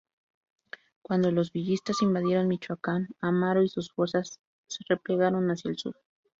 Cuando los villistas invadieron Michoacán, Amaro y sus fuerzas se replegaron hacia el sur.